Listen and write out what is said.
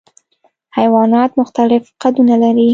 حیوانات مختلف قدونه لري.